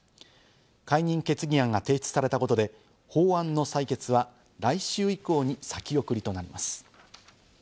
解任決議案が提出されたことで、法案の採決は来週以降に先送りとなります。